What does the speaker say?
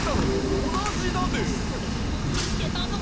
ついにみつけたぞ！